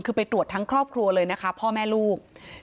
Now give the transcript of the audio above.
คือไปตรวจทั้งครอบครัวเลยนะคะพ่อแม่ลูก